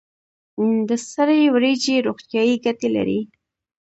د سرې وریجې روغتیایی ګټې لري.